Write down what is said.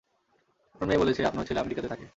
আপনার মেয়ে বলেছে আপনার ছেলে আমেরিকাতে থাকে।